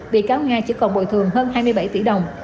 bị cáo nga chỉ còn bồi thường hơn hai mươi bảy tỷ đồng